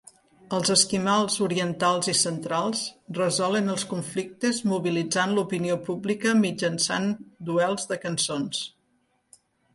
Els esquimals orientals i centrals resolen els conflictes mobilitzant l'opinió pública mitjançant duels de cançons.